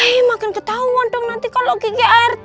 eh makin ketauan dong nanti kalau kiki art